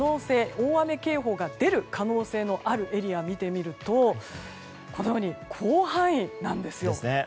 大雨警報が出る可能性があるエリアを見てみるとこのように広範囲なんですよ。